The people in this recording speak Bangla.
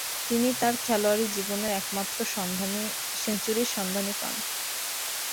তিনি তার খেলোয়াড়ী জীবনের একমাত্র সেঞ্চুরির সন্ধান পান।